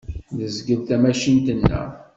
Nezgel tamacint-nneɣ.